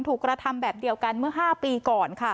กระทำแบบเดียวกันเมื่อ๕ปีก่อนค่ะ